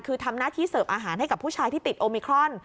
คือทำหน้าที่เสิร์ฟอาหารให้กับผู้ชายที่ติดโอมิครอน